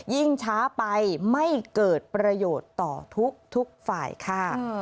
ยิ่งช้าไปไม่เกิดประโยชน์ต่อทุกฝ่ายค่ะ